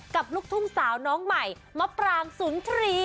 ลูกทุ่งสาวน้องใหม่มะปรางสุนทรีย์